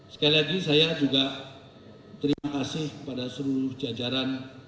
sekali lagi saya juga terima kasih kepada seluruh jajaran